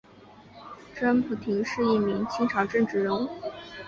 甄辅廷是一名清朝政治人物。